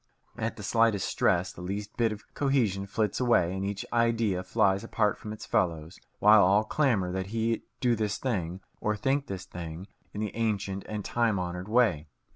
At the slightest stress, the last least bit of cohesion flits away, and each idea flies apart from its fellows, while all clamour that he do this thing, or think this thing, in the ancient and time honoured way.